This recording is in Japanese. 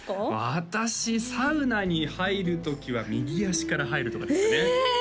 私サウナに入る時は右足から入るとかですかねえ！